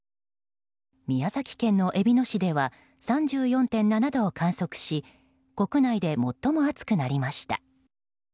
宮崎県のえびの市では３４．７度を観測し国内で最も暑くなりました。